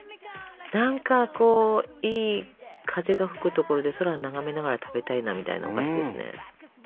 何かこういい風が吹く所で空を眺めながら食べたいなみたいなお菓子ですね。